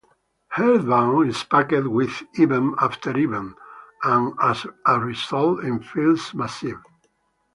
Earthbound is packed with event after event, and as a result it feels massive.